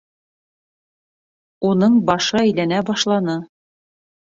Уның башы әйләнә башланы.